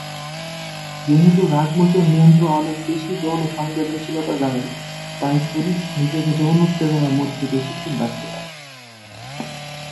যেহেতু রাগমোচন নিয়ন্ত্রণ অনেক বেশি যৌন সংবেদনশীলতা জাগায়, তাই পুরুষ নিজেকে যৌন উত্তেজনার মধ্যে বেশিক্ষণ রাখতে পারে।